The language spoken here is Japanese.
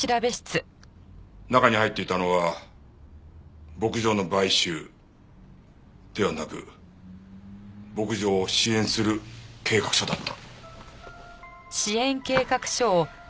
中に入っていたのは牧場の買収ではなく牧場を支援する計画書だった。